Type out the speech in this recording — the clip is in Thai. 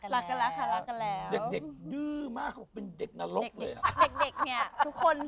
ตกเข้ามาก็แบ่งของกัน